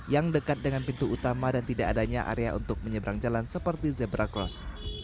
yang dekat dengan pintu utama dan tidak adanya area untuk menyeberang jalan seperti zebra cross